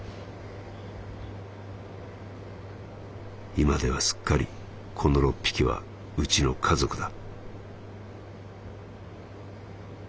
「今ではすっかりこの六匹はうちの家族だ」。